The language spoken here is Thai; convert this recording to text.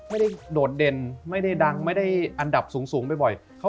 โดดเด่นไม่ได้ดังไม่ได้อันดับสูงบ่อย